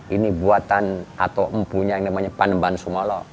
ini buatan atau empunya yang namanya panban sumala